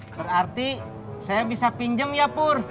berarti saya bisa pinjam ya pur